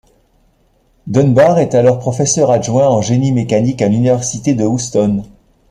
Dunbar est alors professeur adjoint en génie mécanique à l'Université de Houston.